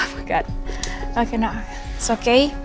oke enggak apa apa